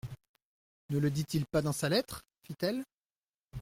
Ne le dit-il pas dans sa lettre ? fit-elle.